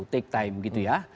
take time gitu ya